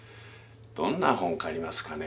どんな本借りますかね。